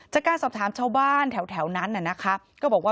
จากการสอบถามชาวบ้านแถวแถวนั้นน่ะนะคะ